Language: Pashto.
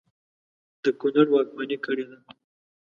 د کنړ واکمني کړې وه.